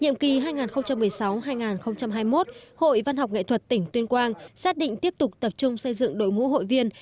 nhiệm kỳ hai nghìn một mươi sáu hai nghìn hai mươi một hội văn học nghệ thuật tỉnh tuyên quang xác định tiếp tục tập trung xây dựng đội ngũ hội viên